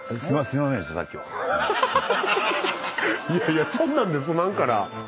いやいやそんなんで済まんから。